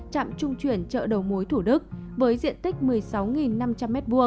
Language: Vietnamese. trạm trung chuyển chợ đầu mối thủ đức với diện tích một mươi sáu năm trăm linh m hai